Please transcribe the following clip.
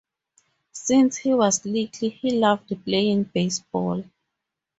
Since he was little he loved playing baseball.